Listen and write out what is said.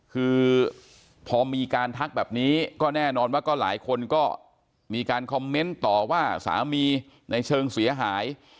คือพอมีการทักแบบนี้ก็แน่นอนว่าก็หลายคนก็มีการคอมเมนต์ต่อว่าสามีในเชิงเสียหาย